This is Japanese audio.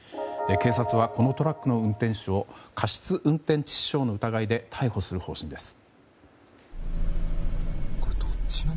警察は、このトラックの運転手を過失運転致死傷の疑いで逮捕する方針です。